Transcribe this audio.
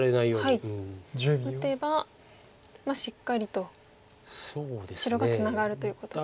このアタリを打てばしっかりと白がツナがるということですね。